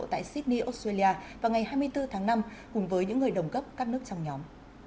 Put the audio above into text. tại sydney australia vào ngày hai mươi bốn tháng năm cùng với những người đồng cấp các nước trong nhóm